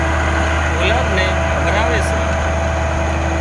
اولاد نين کوَراوي سي